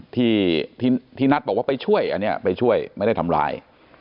ที่นัทบอกว่าไปช่วยอันนี้ไปช่วยไม่ได้ทำร้าย